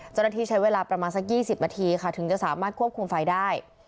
เจ้าหน้าที่ใช้เวลาประมาณสัก๒๐นาทีค่ะถึงจะสามารถควบคุมไฟได้